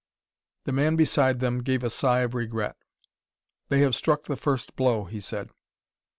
The man beside them gave a sigh of regret. "They have struck the first blow," he said.